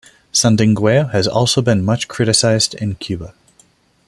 Sandungueo has also been much criticized in Cuba.